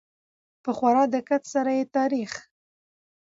په خورا دقت سره يې تاريخ